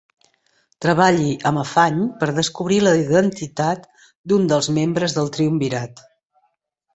Treballi amb afany per descobrir la identitat d'un dels membres del triumvirat.